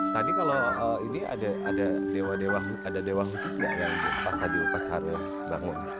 tadi kalau ini ada dewa dewa ada dewa khusus nggak yang pas tadi upacarul bangun